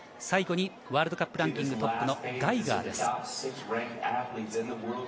最後にワールドカップランキングトップのガイガーです。